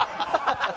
ハハハハ。